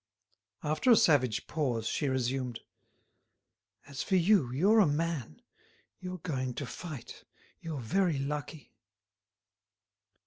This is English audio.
After a savage pause she resumed: "As for you, you're a man; you're going to fight; you're very lucky."